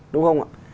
đúng không ạ